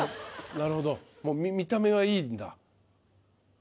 なるほどもう見た目はいいんだ